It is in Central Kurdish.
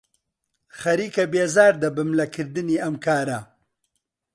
خەریکە بێزار دەبم لە کردنی ئەم کارە.